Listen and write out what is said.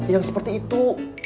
yang seperti itu